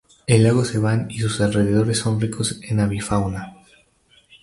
El lago Seván y sus alrededores son ricos en avifauna.